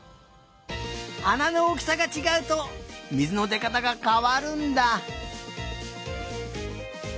あなのおおきさがちがうとみずのでかたがかわるんだ。